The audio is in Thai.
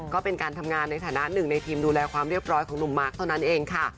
ก็เป็นการทำงานในฐานะหนึ่งในทีมดูแลความเรียบร้อยของหนุ่มมาร์คเท่านั้นเองค่ะ